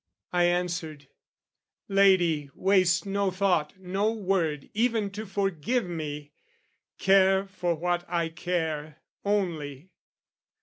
I answered "Lady, waste no thought, no word "Even to forgive me! Care for what I care "Only!